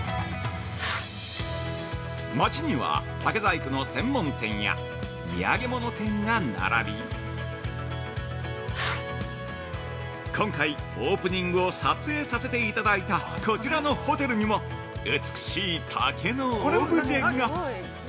町には専門店が並び、今回オープニングを撮影させていただいたこちらのホテルにも美しい竹のオブジェが。